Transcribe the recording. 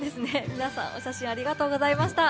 皆さん、お写真ありがとうございました。